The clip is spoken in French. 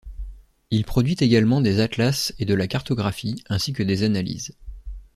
Il produit également des atlas et de la cartographie, ainsi que des analyses.